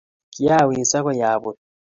kiawis akoi abut